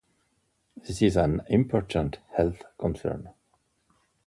This is an important health concern.